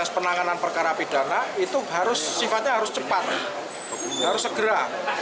penanganan perkara pidana itu harus sifatnya harus cepat harus segera